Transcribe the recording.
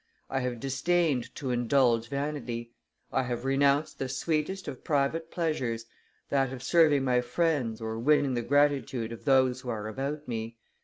I have disdained to indulge vanity. I have renounced the sweetest of private pleasures, that of serving my friends or winning the gratitude of those who are about me.